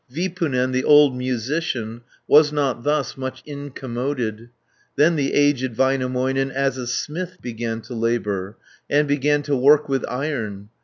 Vipunen the old musician Was not thus much incommoded; 130 Then the aged Väinämöinen As a smith began to labour. And began to work with iron.